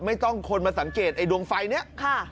ไม่ต้องคนมาสังเกตไอ้ดวงไฟนี้